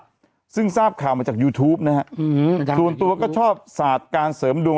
ซึ่งทราบข่าวมาจากยูทูปนะฮะอืมส่วนตัวก็ชอบสาดการเสริมดวง